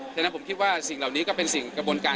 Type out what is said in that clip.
ฉะนั้นผมคิดว่าสิ่งเหล่านี้ก็เป็นสิ่งกระบวนการ